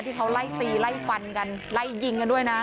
ที่เขาไล่ตีไล่ฟันกันไล่ยิงกันด้วยนะ